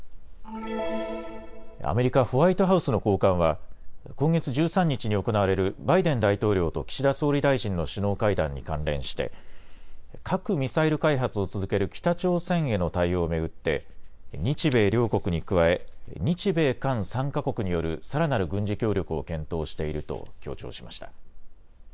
アメリカ・ホワイトハウスの高官は今月１３日に行われるバイデン大統領と岸田総理大臣の首脳会談に関連して核・ミサイル開発を続ける北朝鮮への対応を巡って日米両国に加え、日米韓３か国によるさらなる軍事協力を検討していると強調しました。